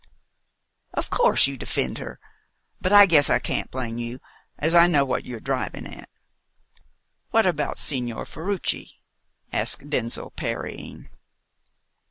"Of course you defend her. But I guess I can't blame you, as I know what you are driving at." "What about Signor Ferruci?" asked Denzil, parrying.